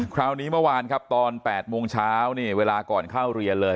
คราวนี้เมื่อวานครับตอน๘โมงเช้านี่เวลาก่อนเข้าเรียนเลย